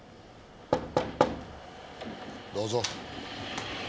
どうぞ。